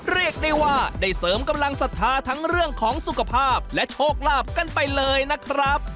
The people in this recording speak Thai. เรียกได้ว่าได้เสริมกำลังศรัทธาทั้งเรื่องของสุขภาพและโชคลาภกันไปเลยนะครับ